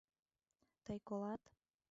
— Тый колат?